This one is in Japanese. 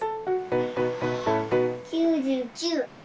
９９。